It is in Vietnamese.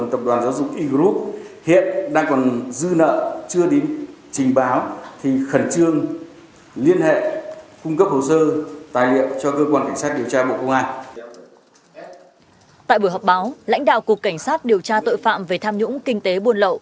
tại buổi họp báo lãnh đạo cục cảnh sát điều tra tội phạm về tham nhũng kinh tế buôn lậu